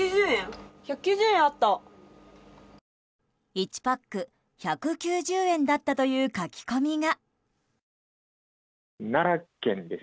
１パック１９０円だったという書き込みが。